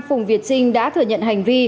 phùng việt trinh đã thừa nhận hành vi